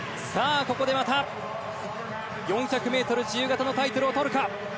ここでまた４００ｍ自由形のタイトルをとるか。